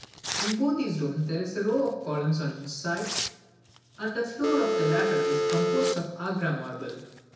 In both these rooms there is a row of columns on each side, and the floor of the latter is composed of Agra marble.